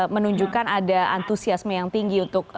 menunjukkan ada antusiasme yang tinggi untuk